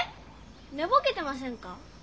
ねぼけてませんか？